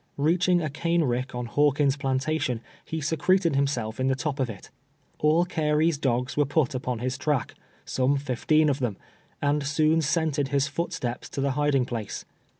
Reaching a cane rick on Hawkins' plantation, he secreted himself in the top of it. All Carey's dogs were put upon his track — some fifteen of them — and soon scented his footsteps to the hiding place.